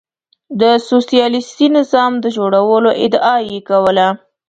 د سوسیالیستي نظام د جوړولو ادعا یې کوله.